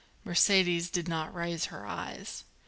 Mercedes did not raise her eyes.